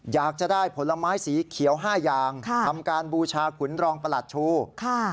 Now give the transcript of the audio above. อยากจะได้ผลไม้สีเขียว๕อย่างทำการบูชาขุนรองประหลัดชูค่ะ